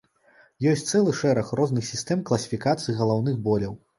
Ёсць цэлы шэраг розных сістэм класіфікацыі галаўных боляў.